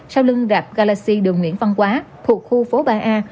sau lưng rạp galaxy đường nguyễn văn quá thuộc khu phố ba a